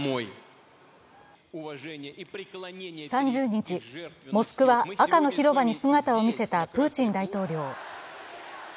３０日、モスクワ・赤の広場に姿を見せたプーチン大統領。